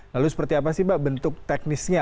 lalu seperti apa sih pak bentuk teknisnya